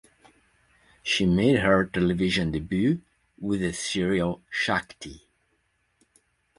She made her television debut with the serial "Shakthi".